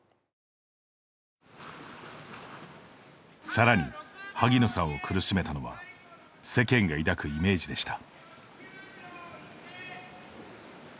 さらに萩野さんを苦しめたのは世間が抱くイメージでした。